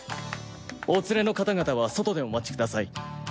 お連れの方々は外でお待ちください。